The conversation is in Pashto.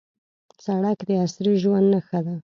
سړک د عصري ژوند نښه ده.